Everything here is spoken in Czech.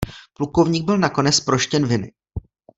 Plukovník byl nakonec zproštěn viny.